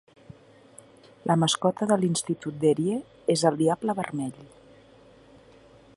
La mascota de l'institut d'Erie és el Diable Vermell.